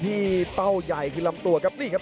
ดาบดำเล่นงานบนเวลาตัวด้วยหันขวา